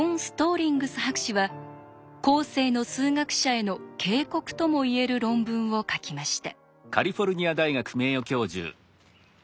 リングス博士は後世の数学者への警告とも言える論文を書きました。